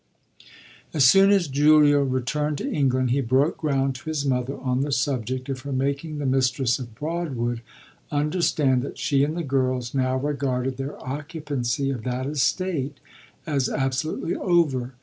As soon as Julia returned to England he broke ground to his mother on the subject of her making the mistress of Broadwood understand that she and the girls now regarded their occupancy of that estate as absolutely over.